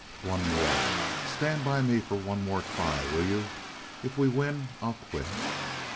One more. Stand by me for one more try, will you? If we win I'll quit."